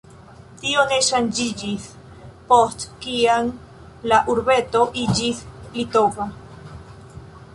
Tio ne ŝanĝiĝis, post kiam la urbeto iĝis litova.